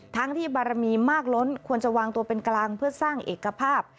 ทั้งที่บารมีมากล้นควรจะวางตัวเป็นกลางเพื่อสร้างเอกภาพ